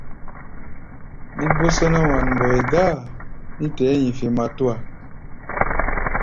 Mí bó só nɛ́ wan-mbɔi gáa, mí tɛɛ́ hi̧fi̧ matúa.